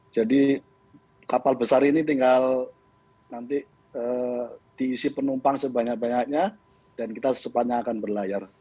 jadi kapal besar ini tinggal nanti diisi penumpang sebanyak banyaknya dan kita semuanya akan berlayar